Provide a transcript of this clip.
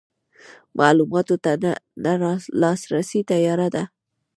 معلوماتو ته نه لاسرسی تیاره ده.